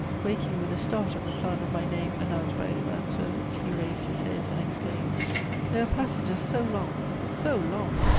Waking with a start at the sound of my name announced by his man servant, he raised his head and exclaimed: "There are passages so long, so long!"